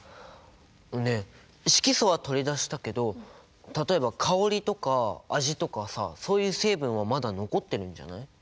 ねえ色素は取り出したけど例えば香りとか味とかさそういう成分はまだ残ってるんじゃない？